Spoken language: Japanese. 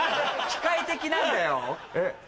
機械的なんだよえ？